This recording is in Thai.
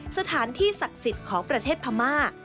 สถานที่ศักดิ์สิทธิ์ของประเทศพม่า